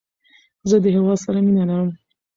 زه د هیواد سره مینه لرم.